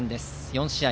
４試合。